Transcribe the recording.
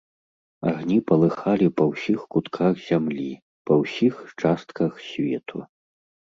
Агні палыхалі па ўсіх кутках зямлі, па ўсіх частках свету.